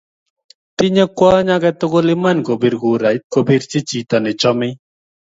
tinye kwony aketukul iman kobir kurait kobirchi chito nechomei